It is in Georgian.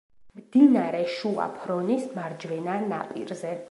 მდინარე შუა ფრონის მარჯვენა ნაპირზე.